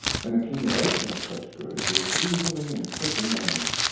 An accumulation of such goods is easily and quickly made.